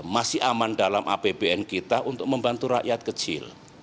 masih aman dalam apbn kita untuk membantu rakyat kecil